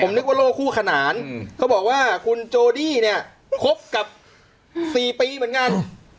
นึกว่าโลกคู่ขนานเขาบอกว่าคุณโจดี้เนี่ยคบกับ๔ปีเหมือนกัน